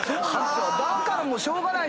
⁉だからしょうがない。